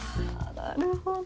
なるほど。